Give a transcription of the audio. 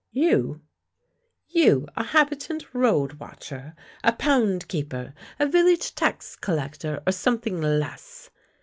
" You — you a habitant road watcher, a pound keeper, a village tax collector, or something less!